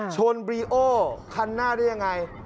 บรีโอคันหน้าได้ยังไง